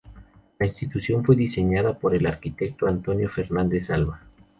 La Institución fue diseñada por el arquitecto Antonio Fernández Alba.